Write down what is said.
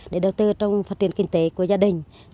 để đầu tư trong phát triển kinh tế của gia đình